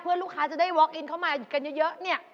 เพื่อลูกค้าจะได้วอคอินเข้ามากันเยอะเนี่ย